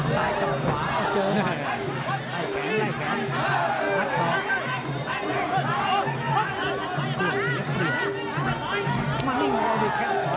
การต้องเปิดเกมนะครับ